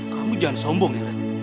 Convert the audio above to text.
kamu jangan sombong ya